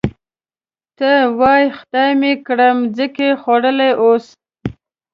ته وا خدای مه کړه مځکې خوړلي اوسي.